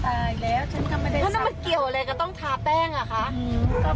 ตายแล้วฉันกำไมไม่เกี่ยวอะไรก็ต้องทาแป้งอ่ะค่ะอืม